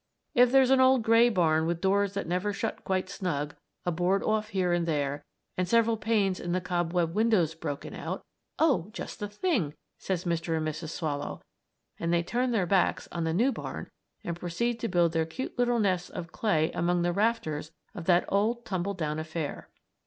If there's an old gray barn with doors that never shut quite snug, a board off here and there, and several panes in the cob webbed windows broken out "Oh, just the thing!" say Mr. and Mrs. Swallow, and they turn their backs on the new barn and proceed to build their cute little nests of clay among the rafters of that old tumbled down affair.